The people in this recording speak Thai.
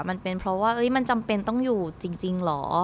มันเป็นเพราะว่ามันจำเป็นต้องอยู่จริงเหรอ